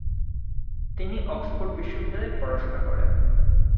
তিনি অক্সফোর্ড বিশ্ববিদ্যালয়ে পড়াশোনা করেন।